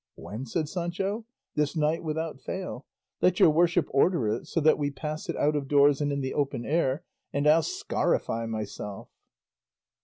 "When?" said Sancho; "this night without fail. Let your worship order it so that we pass it out of doors and in the open air, and I'll scarify myself."